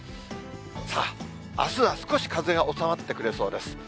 さあ、あすは少し風が収まってくれそうです。